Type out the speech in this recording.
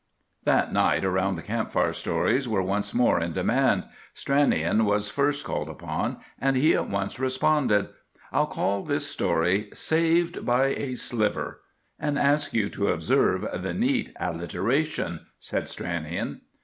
That night around the camp fire stories were once more in demand. Stranion was first called upon, and he at once responded. "I'll call this story— 'SAVED BY A SLIVER,' and ask you to observe the neat alliteration," said Stranion.